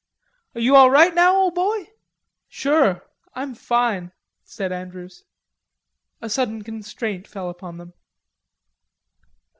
"A' you all right now, ole boy?" "Sure, I'm fine," said Andrews. A sudden constraint fell upon them.